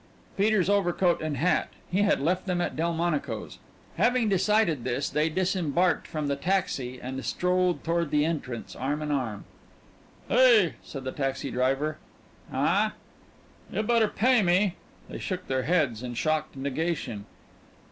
Peter's overcoat and hat. He had left them at Delmonico's. Having decided this, they disembarked from the taxi and strolled toward the entrance arm in arm. "Hey!" said the taxi driver. "Huh?" "You better pay me." They shook their heads in shocked negation.